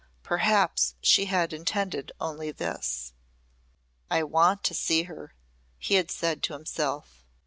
Perhaps she had intended only this. "I want to see her," he had said to himself.